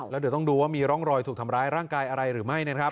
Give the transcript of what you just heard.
แล้วเดี๋ยวต้องดูว่ามีร่องรอยถูกทำร้ายร่างกายอะไรหรือไม่นะครับ